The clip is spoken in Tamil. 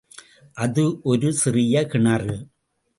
அது ஒரு சிறிய கிணறு.